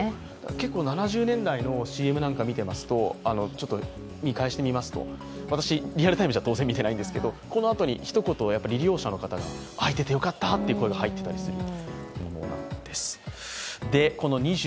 ７０年代のＣＭなんか見返してみますと私、リアルタイムじゃ当然見ていないんですけど、このあと、一言、利用者の方が「あいててよかった」という声が入っていたりする。